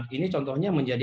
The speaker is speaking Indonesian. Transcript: ini contohnya menjadi